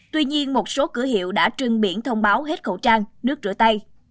tuy nhiên một số cửa hiệu đã trưng biển thông báo hết khẩu trang nước rửa tay